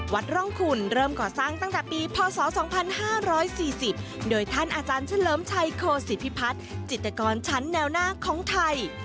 วัดร่องคุณเริ่มก่อสร้างตั้งแต่ปีพศ๒๕๔๐โดยท่านอาจารย์เฉลิมชัยโคศิพิพัฒน์จิตกรชั้นแนวหน้าของไทย